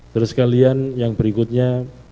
terus sekalian yang berikutnya